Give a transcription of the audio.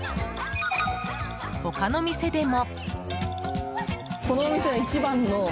他の店でも。